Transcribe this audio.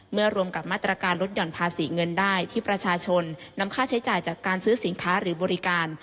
รวมกับมาตรการลดหย่อนภาษีเงินได้ที่ประชาชนนำค่าใช้จ่ายจากการซื้อสินค้าหรือบริการ